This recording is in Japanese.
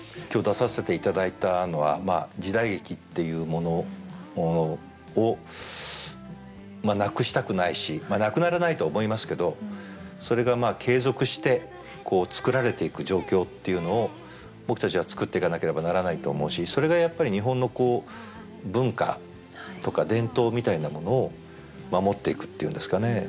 今日出させていただいたのは時代劇っていうものをなくしたくないしなくならないとは思いますけどそれがまあ継続して作られていく状況っていうのを僕たちは作っていかなければならないと思うしそれがやっぱり日本のこう文化とか伝統みたいなものを守っていくっていうんですかね